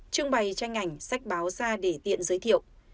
trưng bày tranh ảnh sách báo ra để tiện giới thiệu